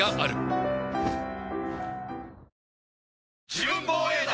自分防衛団！